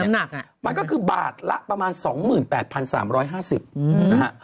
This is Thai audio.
มันก็คือบาทละประมาณ๒๘๓๕๐บาท